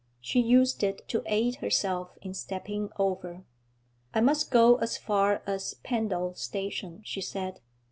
She used it to aid herself in stepping over. 'I must go as far as Pendal station,' she said.